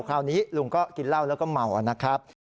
คราวนี้ลุงก็กินเหล้าแล้วก็เมานะครับ